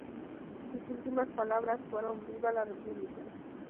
Sus últimas palabras fueron: "¡Viva la República!